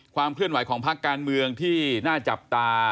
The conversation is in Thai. ความเคลื่อนไหวของภาคการเมืองที่น่าจับตา